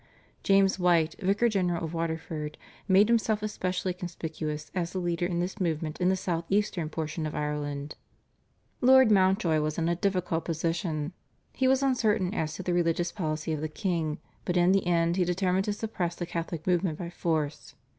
James White, Vicar general of Waterford, made himself especially conspicuous as the leader in this movement in the south eastern portion of Ireland. Lord Mountjoy was in a difficult position. He was uncertain as to the religious policy of the king, but in the end he determined to suppress the Catholic movement by force.